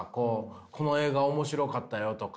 この映画面白かったよとか。